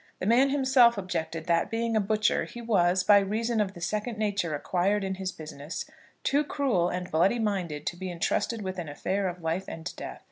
The man himself objected that, being a butcher, he was, by reason of the second nature acquired in his business, too cruel, and bloody minded to be entrusted with an affair of life and death.